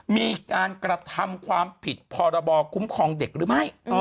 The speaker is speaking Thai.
มีการกระทำความผิดพรบคุ้มครองเด็กหรือไม่